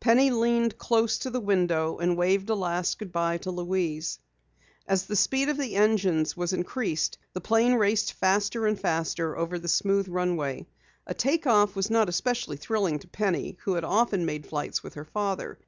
Penny leaned close to the window and waved a last good bye to Louise. As the speed of the engines was increased, the plane raced faster and faster over the smooth runway. A take off was not especially thrilling to Penny who often had made flights with her father.